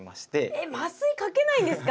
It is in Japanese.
えっ麻酔かけないんですか？